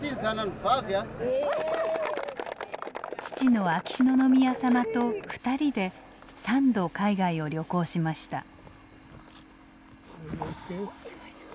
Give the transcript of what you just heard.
父の秋篠宮さまと２人で３度海外を旅行しました。